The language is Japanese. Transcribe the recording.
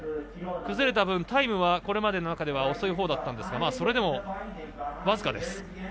崩れた分、タイムはこれまでの中では遅いほうだったんですがそれでも僅かです。